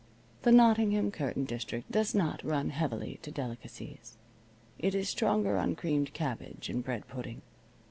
The Nottingham curtain district does not run heavily to delicacies. It is stronger on creamed cabbage and bread pudding.